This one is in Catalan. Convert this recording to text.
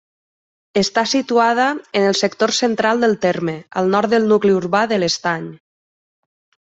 Està situada en el sector central del terme, al nord del nucli urbà de l'Estany.